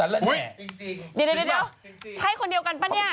เดี๋ยวใช้คนเดียวกันปะเนี่ย